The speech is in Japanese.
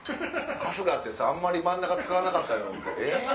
「春日ってさあんまり真ん中使わなかったよ」。